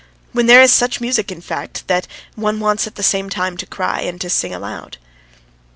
. when there is such music, in fact, that one wants at the same time to cry and to sing aloud.